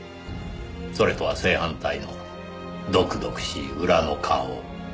それとは正反対の毒々しい裏の顔。